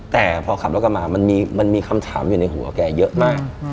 แต่พอขับรถกลับมามันมีคำถามอยู่ในหัวแกเยอะมาก